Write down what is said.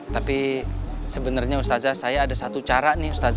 tapi sebenarnya ustadz saya ada satu cara nih ustadz